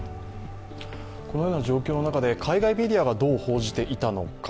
このような状況の中で海外メディアがどう報じていたのか。